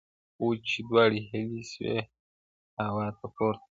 • خو چي دواړي هیلۍ سوې هواته پورته -